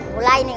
nah ini ini